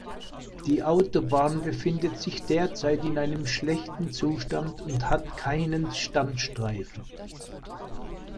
Die Autobahn befindet sich derzeit in einem schlechten Zustand und hat keinen Standstreifen.